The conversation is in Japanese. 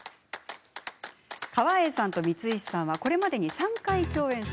川栄さんと光石さんはこれまで３回共演。